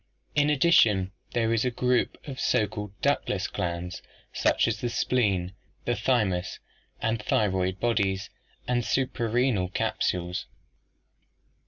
In addition there is the group of so called ductless glands, such as the spleen, the thymus and thyroid bodies, and the suprarenal capsules.